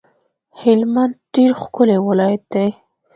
هلمند ډیر ښکلی ولایت دی